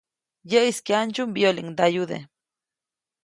Yäʼis kyandsyu mbiyoliŋdayude.